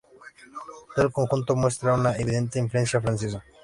Todo el conjunto muestra una evidente influencia francesa.